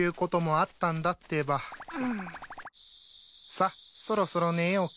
さっそろそろ寝ようか。